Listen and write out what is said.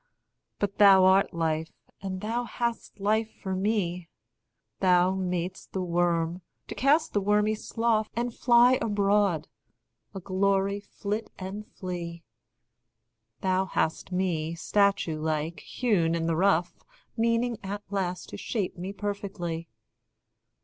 But thou art life, and thou hast life for me. Thou mad'st the worm to cast the wormy slough, And fly abroad a glory flit and flee. Thou hast me, statue like, hewn in the rough, Meaning at last to shape me perfectly.